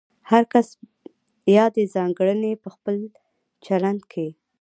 هر کس یادې ځانګړنې په خپل چلند کې